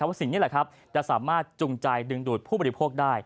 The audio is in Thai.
สิ่งนี้แหละครับจะสามารถจุงใจดึงดูดผู้บริโภคได้